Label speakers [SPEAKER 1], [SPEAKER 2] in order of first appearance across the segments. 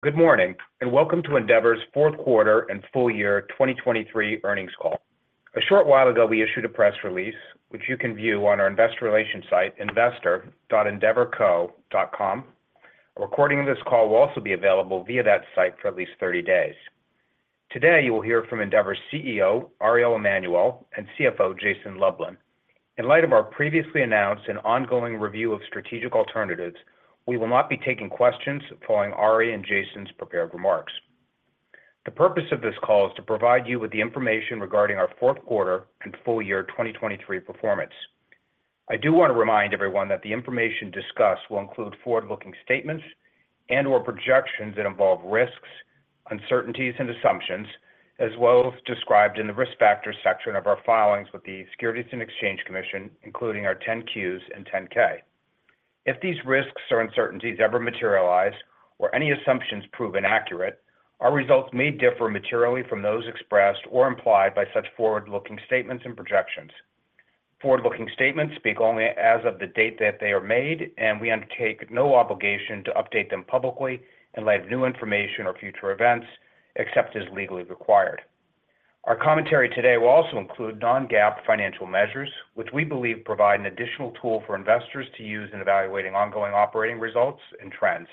[SPEAKER 1] Good morning, and welcome to Endeavor's Q4 and full year 2023 earnings call. A short while ago, we issued a press release, which you can view on our investor relations site, investor.endeavorco.com. A recording of this call will also be available via that site for at least 30 days. Today, you will hear from Endeavor's CEO, Ari Emanuel, and CFO, Jason Lublin. In light of our previously announced and ongoing review of strategic alternatives, we will not be taking questions following Ari and Jason's prepared remarks. The purpose of this call is to provide you with the information regarding our Q4 and full year 2023 performance. I do want to remind everyone that the information discussed will include forward-looking statements and/or projections that involve risks, uncertainties, and assumptions, as well as described in the Risk Factors section of our filings with the Securities and Exchange Commission, including our 10-Qs and 10-K. If these risks or uncertainties ever materialize or any assumptions prove inaccurate, our results may differ materially from those expressed or implied by such forward-looking statements and projections. Forward-looking statements speak only as of the date that they are made, and we undertake no obligation to update them publicly in light of new information or future events, except as legally required. Our commentary today will also include non-GAAP financial measures, which we believe provide an additional tool for investors to use in evaluating ongoing operating results and trends.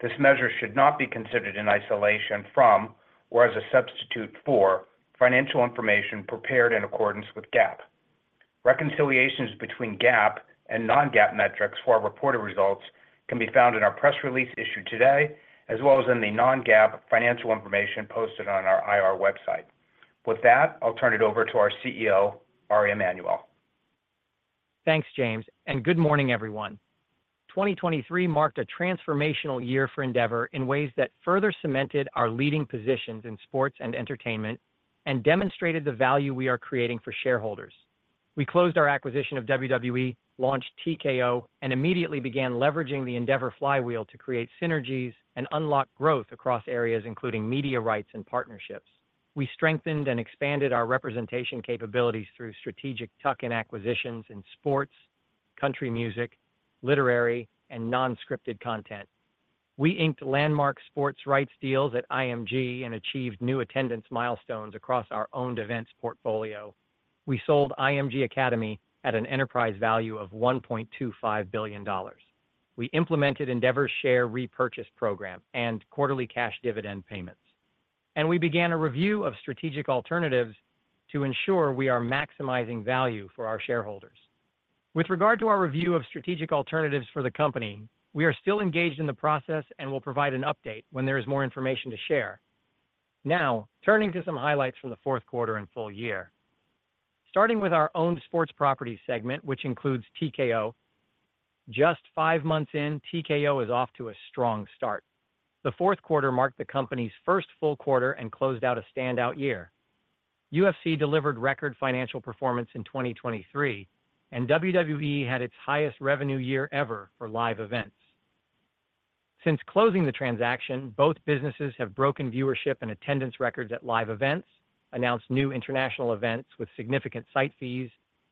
[SPEAKER 1] This measure should not be considered in isolation from or as a substitute for financial information prepared in accordance with GAAP. Reconciliations between GAAP and non-GAAP metrics for our reported results can be found in our press release issued today, as well as in the non-GAAP financial information posted on our IR website. With that, I'll turn it over to our CEO, Ari Emanuel.
[SPEAKER 2] Thanks, James, and good morning, everyone. 2023 marked a transformational year for Endeavor in ways that further cemented our leading positions in sports and entertainment and demonstrated the value we are creating for shareholders. We closed our acquisition of WWE, launched TKO, and immediately began leveraging the Endeavor flywheel to create synergies and unlock growth across areas, including media rights and partnerships. We strengthened and expanded our representation capabilities through strategic tuck-in acquisitions in sports, country music, literary, and non-scripted content. We inked landmark sports rights deals at IMG and achieved new attendance milestones across our owned events portfolio. We sold IMG Academy at an enterprise value of $1.25 billion. We implemented Endeavor's share repurchase program and quarterly cash dividend payments, and we began a review of strategic alternatives to ensure we are maximizing value for our shareholders. With regard to our review of strategic alternatives for the company, we are still engaged in the process and will provide an update when there is more information to share. Now, turning to some highlights from the Q4 and full year. Starting with our own sports properties segment, which includes TKO. Just five months in, TKO is off to a strong start. The Q4 marked the company's first full quarter and closed out a standout year. UFC delivered record financial performance in 2023, and WWE had its highest revenue year ever for live events. Since closing the transaction, both businesses have broken viewership and attendance records at live events, announced new international events with significant site fees,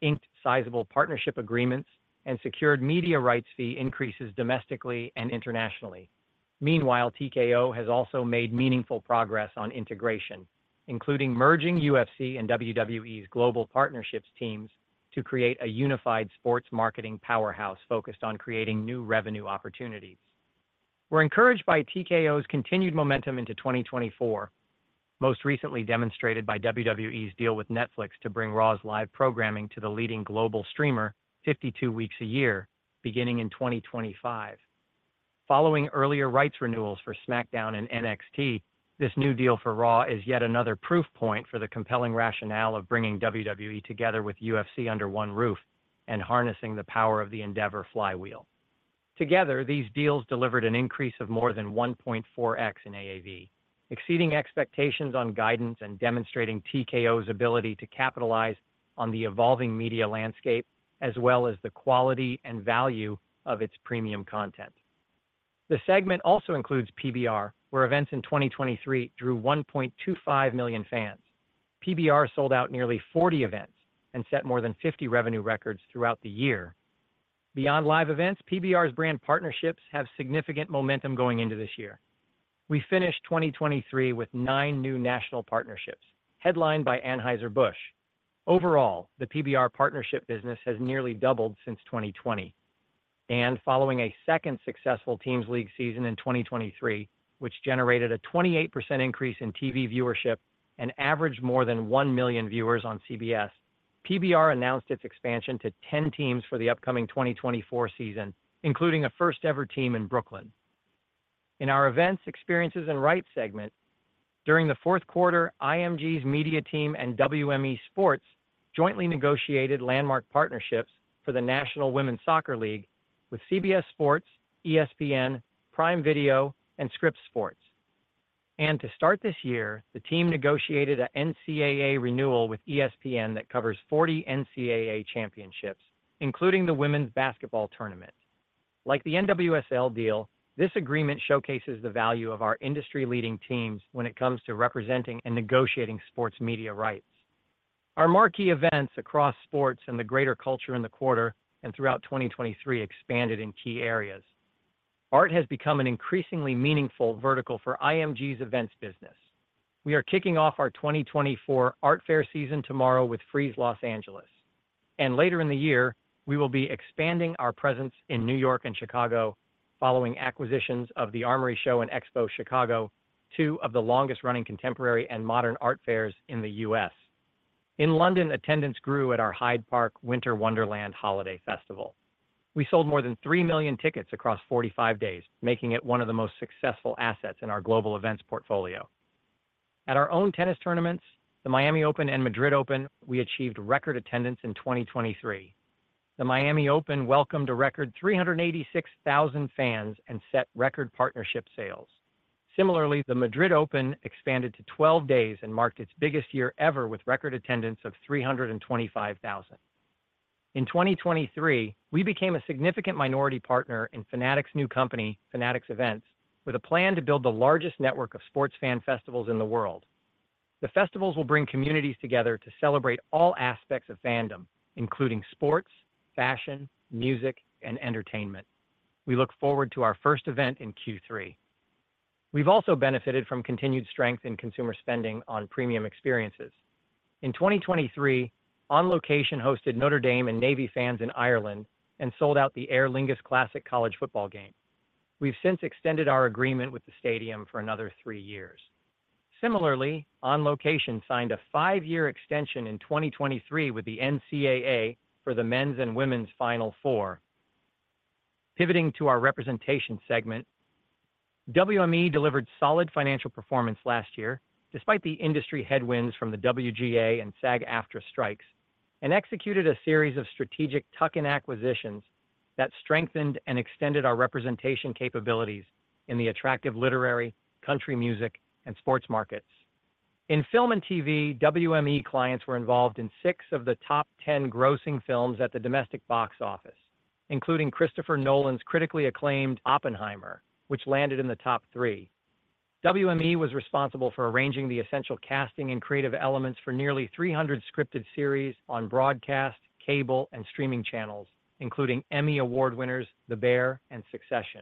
[SPEAKER 2] inked sizable partnership agreements, and secured media rights fee increases domestically and internationally. Meanwhile, TKO has also made meaningful progress on integration, including merging UFC and WWE's global partnerships teams to create a unified sports marketing powerhouse focused on creating new revenue opportunities. We're encouraged by TKO's continued momentum into 2024, most recently demonstrated by WWE's deal with Netflix to bring Raw's live programming to the leading global streamer 52 weeks a year, beginning in 2025. Following earlier rights renewals for SmackDown and NXT, this new deal for Raw is yet another proof point for the compelling rationale of bringing WWE together with UFC under one roof and harnessing the power of the Endeavor flywheel. Together, these deals delivered an increase of more than 1.4x in AAV, exceeding expectations on guidance and demonstrating TKO's ability to capitalize on the evolving media landscape, as well as the quality and value of its premium content. The segment also includes PBR, where events in 2023 drew 1.25 million fans. PBR sold out nearly 40 events and set more than 50 revenue records throughout the year. Beyond live events, PBR's brand partnerships have significant momentum going into this year. We finished 2023 with nine new national partnerships, headlined by Anheuser-Busch. Overall, the PBR partnership business has nearly doubled since 2020, and following a second successful Teams League season in 2023, which generated a 28% increase in TV viewership and averaged more than 1 million viewers on CBS, PBR announced its expansion to 10 teams for the upcoming 2024 season, including a first-ever team in Brooklyn. In our events, experiences, and rights segment, during the Q4, IMG's media team and WME Sports jointly negotiated landmark partnerships for the National Women's Soccer League with CBS Sports, ESPN, Prime Video, and Scripps Sports. To start this year, the team negotiated a NCAA renewal with ESPN that covers 40 NCAA championships, including the Women's Basketball Tournament. Like the NWSL deal, this agreement showcases the value of our industry-leading teams when it comes to representing and negotiating sports media rights. Our marquee events across sports and the greater culture in the quarter and throughout 2023 expanded in key areas. Art has become an increasingly meaningful vertical for IMG's events business. We are kicking off our 2024 art fair season tomorrow with Frieze Los Angeles, and later in the year, we will be expanding our presence in New York and Chicago following acquisitions of The Armory Show and Expo Chicago, two of the longest-running contemporary and modern art fairs in the U.S. In London, attendance grew at our Hyde Park Winter Wonderland holiday festival. We sold more than 3 million tickets across 45 days, making it one of the most successful assets in our global events portfolio. At our own tennis tournaments, the Miami Open and Madrid Open, we achieved record attendance in 2023. The Miami Open welcomed a record 386,000 fans and set record partnership sales. Similarly, the Madrid Open expanded to 12 days and marked its biggest year ever with record attendance of 325,000. In 2023, we became a significant minority partner in Fanatics' new company, Fanatics Events, with a plan to build the largest network of sports fan festivals in the world. The festivals will bring communities together to celebrate all aspects of fandom, including sports, fashion, music, and entertainment. We look forward to our first event in Q3. We've also benefited from continued strength in consumer spending on premium experiences. In 2023, On Location hosted Notre Dame and Navy fans in Ireland and sold out the Aer Lingus Classic college football game. We've since extended our agreement with the stadium for another three years. Similarly, On Location signed a 5-year extension in 2023 with the NCAA for the Men's and Women's Final Four. Pivoting to our representation segment, WME delivered solid financial performance last year, despite the industry headwinds from the WGA and SAG-AFTRA strikes, and executed a series of strategic tuck-in acquisitions that strengthened and extended our representation capabilities in the attractive literary, country music, and sports markets. In film and TV, WME clients were involved in six of the top 10 grossing films at the domestic box office, including Christopher Nolan's critically acclaimed Oppenheimer, which landed in the top three. WME was responsible for arranging the essential casting and creative elements for nearly 300 scripted series on broadcast, cable, and streaming channels, including Emmy Award winners, The Bear and Succession.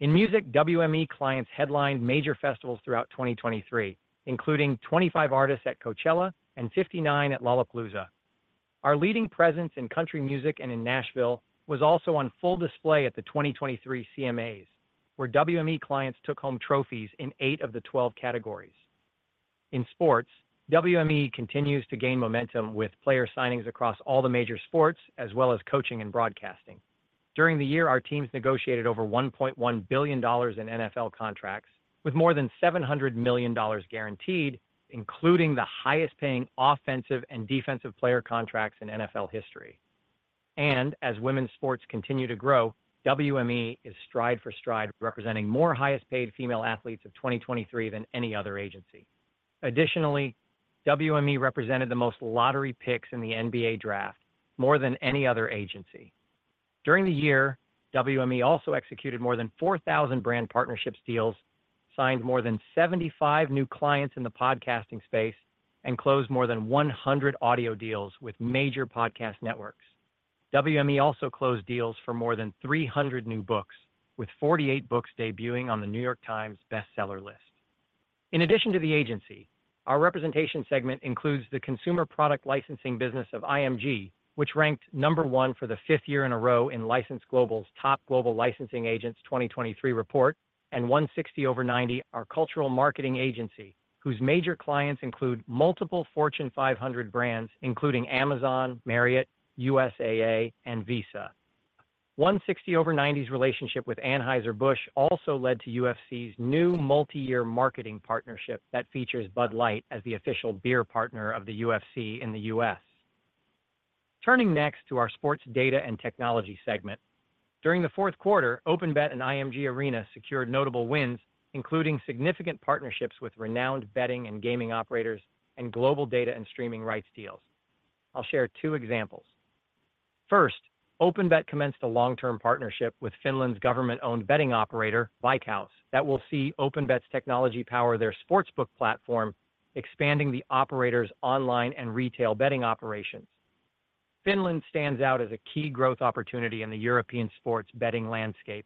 [SPEAKER 2] In music, WME clients headlined major festivals throughout 2023, including 25 artists at Coachella and 59 at Lollapalooza. Our leading presence in country music and in Nashville was also on full display at the 2023 CMAs, where WME clients took home trophies in eight of the 12 categories. In sports, WME continues to gain momentum with player signings across all the major sports, as well as coaching and broadcasting. During the year, our teams negotiated over $1.1 billion in NFL contracts, with more than $700 million guaranteed, including the highest-paying offensive and defensive player contracts in NFL history. As women's sports continue to grow, WME is stride for stride, representing more highest-paid female athletes of 2023 than any other agency. Additionally, WME represented the most lottery picks in the NBA draft, more than any other agency. During the year, WME also executed more than 4,000 brand partnerships deals, signed more than 75 new clients in the podcasting space, and closed more than 100 audio deals with major podcast networks. WME also closed deals for more than 300 new books, with 48 books debuting on The New York Times Best Seller list. In addition to the agency, our representation segment includes the consumer product licensing business of IMG, which ranked number one for the 5th year in a row in License Global's Top Global Licensing Agents 2023 report, and 160over90, our cultural marketing agency, whose major clients include multiple Fortune 500 brands, including Amazon, Marriott, USAA, and Visa. 160over90 relationship with Anheuser-Busch also led to UFC's new multi-year marketing partnership that features Bud Light as the official beer partner of the UFC in the US. Turning next to our sports data and technology segment. During the Q4, OpenBet and IMG Arena secured notable wins, including significant partnerships with renowned betting and gaming operators and global data and streaming rights deals. I'll share two examples. First, OpenBet commenced a long-term partnership with Finland's government-owned betting operator, Veikkaus, that will see OpenBet's technology power their sportsbook platform, expanding the operator's online and retail betting operations. Finland stands out as a key growth opportunity in the European sports betting landscape.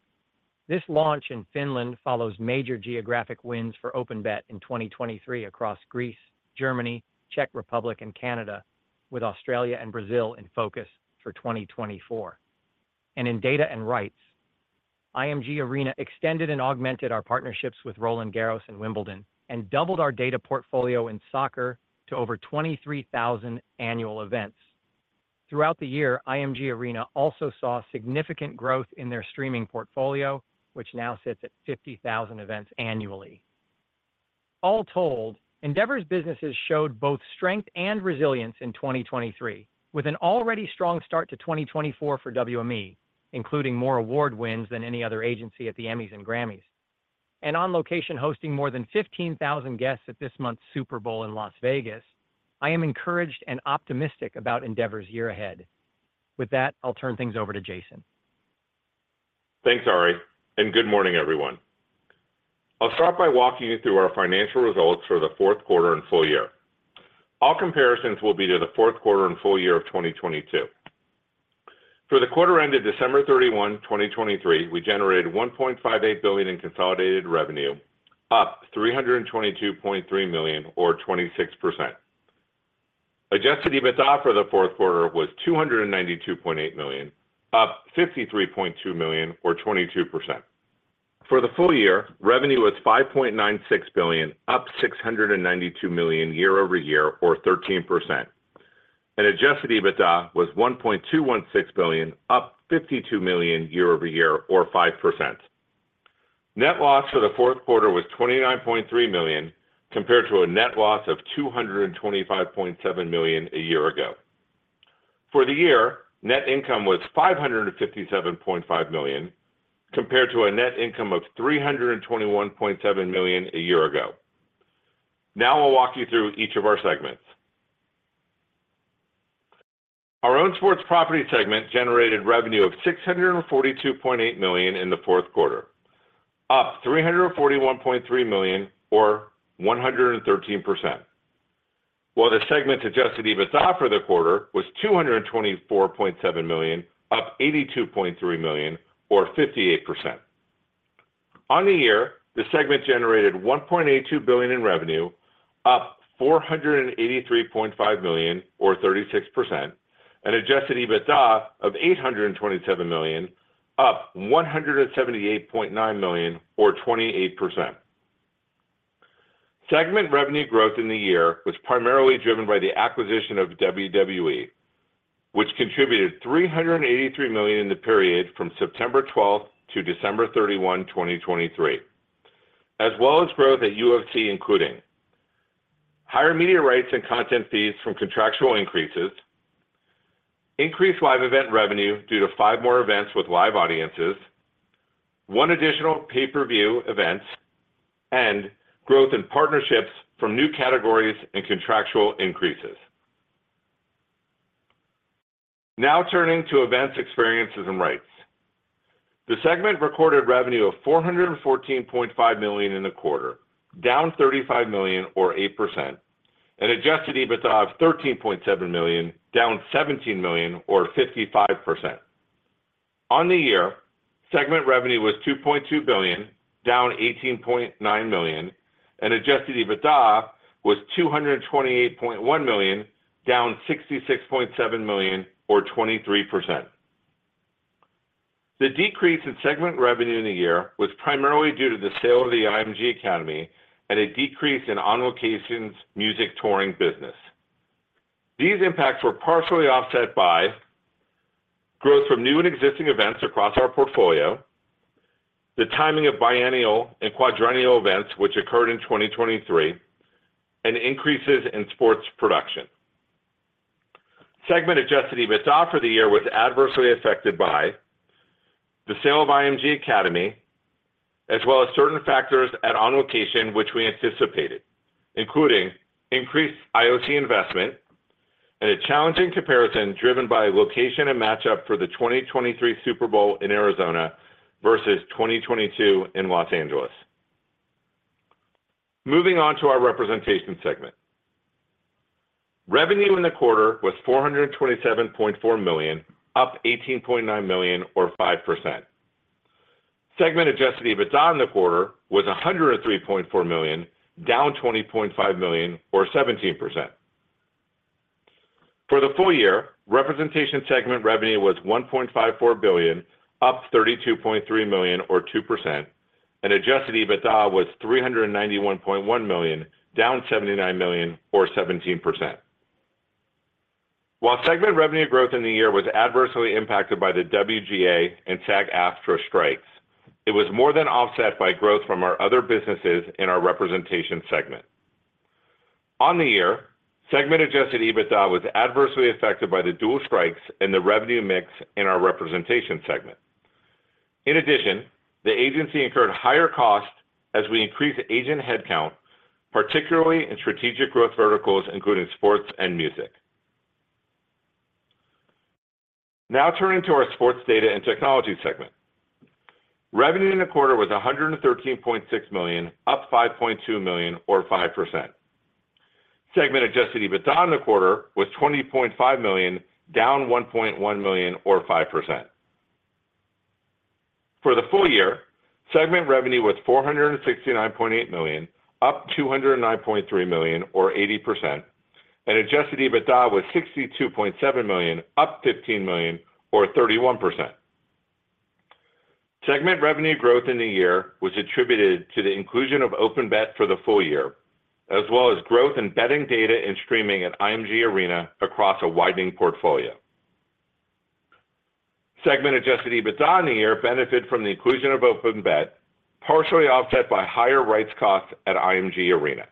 [SPEAKER 2] This launch in Finland follows major geographic wins for OpenBet in 2023 across Greece, Germany, Czech Republic, and Canada, with Australia and Brazil in focus for 2024. In data and rights, IMG Arena extended and augmented our partnerships with Roland-Garros and Wimbledon, and doubled our data portfolio in soccer to over 23,000 annual events. Throughout the year, IMG Arena also saw significant growth in their streaming portfolio, which now sits at 50,000 events annually. All told, Endeavor's businesses showed both strength and resilience in 2023, with an already strong start to 2024 for WME, including more award wins than any other agency at the Emmys and Grammys. On Location hosting more than 15,000 guests at this month's Super Bowl in Las Vegas, I am encouraged and optimistic about Endeavor's year ahead. With that, I'll turn things over to Jason. Thanks, Ari, and good morning, everyone. I'll start by walking you through our financial results for the Q4 and full year. All comparisons will be to the Q4 and full year of 2022. For the quarter ended December 31, 2023, we generated $1.58 billion in consolidated revenue, up $322.3 million or 26%. Adjusted EBITDA for the Q4 was $292.8 million, up $53.2 million or 22%. For the full year, revenue was $5.96 billion, up $692 million year-over-year or 13%. Adjusted EBITDA was $1.216 billion, up $52 million year-over-year or 5%. Net loss for the Q4 was $29.3 million, compared to a net loss of $225.7 million a year ago. For the year, net income was $557.5 million, compared to a net income of $321.7 million a year ago. Now I'll walk you through each of our segments. Our Owned Sports Properties segment generated revenue of $642.8 million in the Q4, up $341.3 million or 113%. While the segment's Adjusted EBITDA for the quarter was $224.7 million, up $82.3 million or 58%. On the year, the segment generated $1.82 billion in revenue, up $483.5 million or 36%, and Adjusted EBITDA of $827 million, up $178.9 million or 28%. Segment revenue growth in the year was primarily driven by the acquisition of WWE, which contributed $383 million in the period from September 12-31 December 2023. As well as growth at UFC, including higher media rights and content fees from contractual increases, increased live event revenue due to five more events with live audiences, one additional Pay-Per-View event, and growth in partnerships from new categories and contractual increases. Now turning to events, experiences, and rights. The segment recorded revenue of $414.5 million in the quarter, down $35 million or 8%, and adjusted EBITDA of $13.7 million, down $17 million or 55%. On the year, segment revenue was $2.2 billion, down $18.9 million, and adjusted EBITDA was $228.1 million, down $66.7 million or 23%. The decrease in segment revenue in the year was primarily due to the sale of the IMG Academy and a decrease in On Location's music touring business. These impacts were partially offset by growth from new and existing events across our portfolio, the timing of biennial and quadrennial events, which occurred in 2023, and increases in sports production. Segment adjusted EBITDA for the year was adversely affected by the sale of IMG Academy, as well as certain factors at On Location, which we anticipated, including increased IOC investment and a challenging comparison driven by location and matchup for the 2023 Super Bowl in Arizona versus 2022 in Los Angeles. Moving on to our representation segment. Revenue in the quarter was $427.4 million, up $18.9 million or 5%. Segment adjusted EBITDA in the quarter was $103.4 million, down $20.5 million or 17%. For the full year, representation segment revenue was $1.54 billion, up $32.3 million or 2%, and adjusted EBITDA was $391.1 million, down $79 million or 17%. While segment revenue growth in the year was adversely impacted by the WGA and SAG-AFTRA strikes, it was more than offset by growth from our other businesses in our representation segment. On the year, segment adjusted EBITDA was adversely affected by the dual strikes and the revenue mix in our representation segment. In addition, the agency incurred higher costs as we increased agent headcount, particularly in strategic growth verticals, including sports and music. Now turning to our sports data and technology segment. Revenue in the quarter was $113.6 million, up $5.2 million or 5%. Segment adjusted EBITDA in the quarter was $20.5 million, down $1.1 million or 5%. For the full year, segment revenue was $469.8 million, up $209.3 million or 80%, and adjusted EBITDA was $62.7 million, up $15 million or 31%. Segment revenue growth in the year was attributed to the inclusion of OpenBet for the full year, as well as growth in betting data and streaming at IMG Arena across a widening portfolio. Segment adjusted EBITDA in the year benefited from the inclusion of OpenBet, partially offset by higher rights costs at IMG Arena.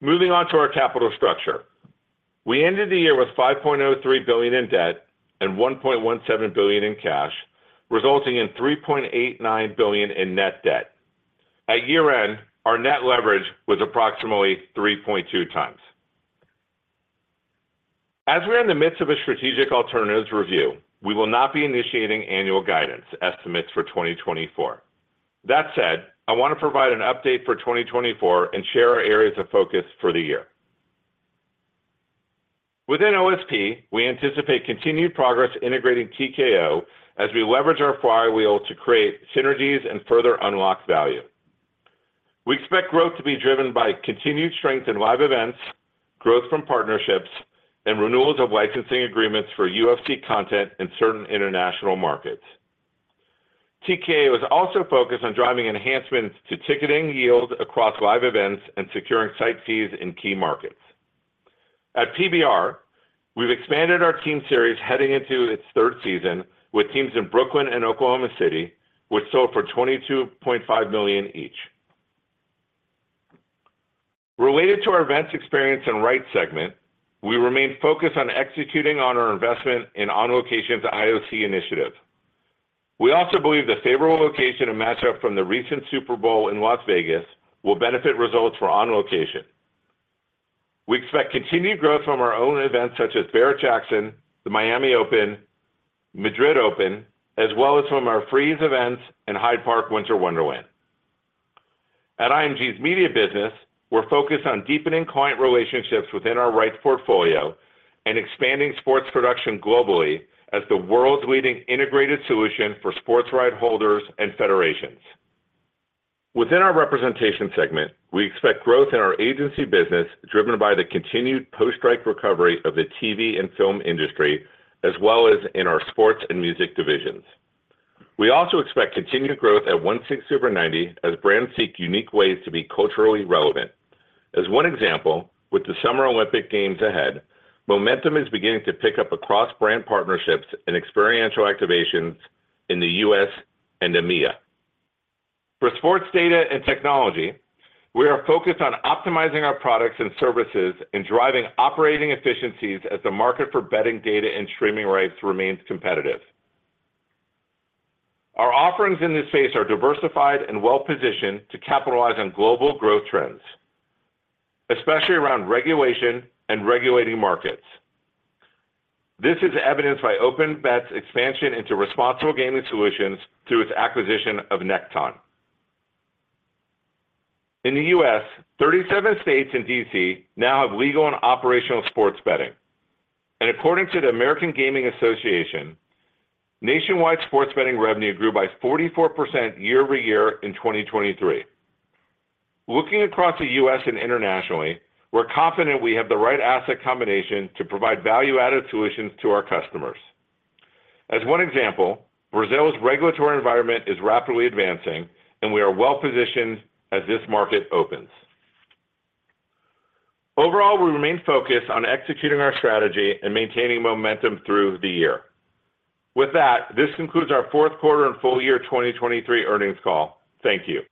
[SPEAKER 2] Moving on to our capital structure. We ended the year with $5.03 billion in debt and $1.17 billion in cash, resulting in $3.89 billion in net debt. At year-end, our net leverage was approximately 3.2x. As we're in the midst of a strategic alternatives review, we will not be initiating annual guidance estimates for 2024. That said, I want to provide an update for 2024 and share our areas of focus for the year. Within OSP, we anticipate continued progress integrating TKO as we leverage our flywheel to create synergies and further unlock value. We expect growth to be driven by continued strength in live events, growth from partnerships, and renewals of licensing agreements for UFC content in certain international markets. TKO is also focused on driving enhancements to ticketing yield across live events and securing site fees in key markets. At PBR, we've expanded our Team Series heading into its third season with teams in Brooklyn and Oklahoma City, which sold for $22.5 million each. Related to our events, experience, and rights segment, we remain focused on executing on our investment in On Location's IOC initiative. We also believe the favorable location and matchup from the recent Super Bowl in Las Vegas will benefit results for On Location. We expect continued growth from our own events, such as Barrett-Jackson, the Miami Open, Madrid Open, as well as from our Frieze events and Hyde Park Winter Wonderland. At IMG's media business, we're focused on deepening client relationships within our rights portfolio and expanding sports production globally as the world's leading integrated solution for sports rights holders and federations. Within our representation segment, we expect growth in our agency business, driven by the continued post-strike recovery of the TV and film industry, as well as in our sports and music divisions. We also expect continued growth at 160over90 as brands seek unique ways to be culturally relevant. As one example, with the Summer Olympic Games ahead, momentum is beginning to pick up across brand partnerships and experiential activations in the U.S. and EMEA. For sports data and technology, we are focused on optimizing our products and services and driving operating efficiencies as the market for betting data and streaming rights remains competitive. Our offerings in this space are diversified and well-positioned to capitalize on global growth trends, especially around regulation and regulating markets. This is evidenced by OpenBet's expansion into responsible gaming solutions through its acquisition of Neccton. In the U.S., 37 states and D.C. now have legal and operational sports betting, and according to the American Gaming Association, nationwide sports betting revenue grew by 44% year-over-year in 2023. Looking across the U.S. and internationally, we're confident we have the right asset combination to provide value-added solutions to our customers. As one example, Brazil's regulatory environment is rapidly advancing, and we are well-positioned as this market opens. Overall, we remain focused on executing our strategy and maintaining momentum through the year. With that, this concludes our Q4 and full year 2023 earnings call. Thank you.